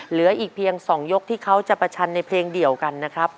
เหลืออีกเพียง๒ยกที่เขาจะประชันในเพลงเดียวกันนะครับ